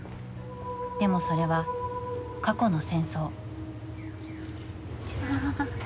でもそれは、過去の戦争。